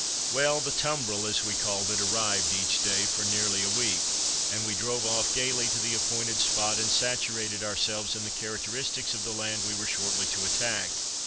Well, the "tumbril," as we called it, arrived each day for nearly a week, and we drove off gaily to the appointed spot and saturated ourselves in the characteristics of the land we were shortly to attack.